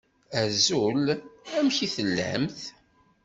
Azul! Amek i tellamt?